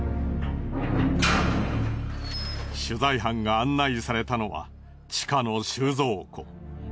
取材班が案内されたのは地下の収蔵庫。